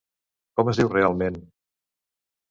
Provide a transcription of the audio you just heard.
Com es diu realment?